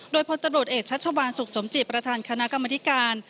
โดยพตเอกทัศน์ชวัญสุขสมจิตประทานคณะกรรมนิการ